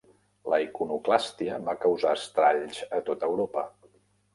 La iconoclàstia va causar estralls a tot Europa.